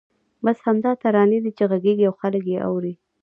بس همدا ترانې دي چې غږېږي او خلک یې اوري.